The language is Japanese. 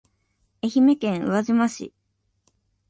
愛媛県宇和島市